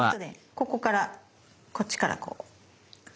ここからこっちからこう。